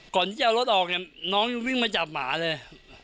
ก่อนที่จะเอารถออกเนี่ยน้องยังวิ่งมาจับหมาเลย